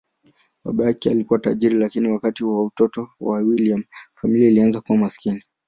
Baba yake alikuwa tajiri, lakini wakati wa utoto wa William, familia ilianza kuwa maskini.